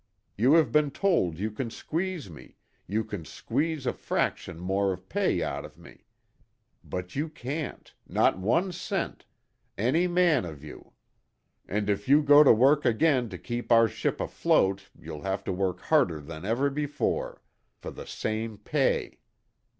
You have been told you can squeeze me, you can squeeze a fraction more of pay out of me. But you can't, not one cent, any man of you; and if you go to work again to keep our ship afloat you'll have to work harder than ever before for the same pay.